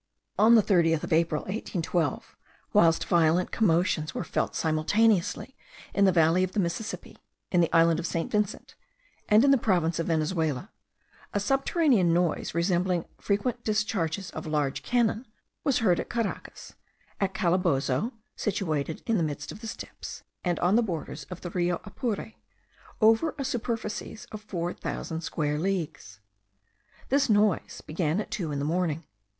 On the 30th of April, 1812, whilst violent commotions were felt simultaneously in the valley of the Mississippi, in the island of St. Vincent, and in the province of Venezuela, a subterranean noise resembling frequent discharges of large cannon was heard at Caracas, at Calabozo (situated in the midst of the steppes), and on the borders of the Rio Apure, over a superficies of four thousand square leagues. This noise began at two in the morning.